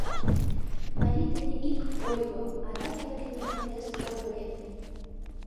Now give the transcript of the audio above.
Марий дене ик ойго, адак эрге дене вес ойго лекте.